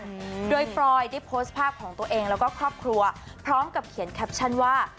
อืมโดยฟรอยได้โพสต์ภาพของตัวเองแล้วก็ครอบครัวพร้อมกับเขียนแคปชั่นว่า